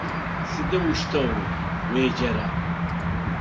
Сыдэущтэу уеджэра?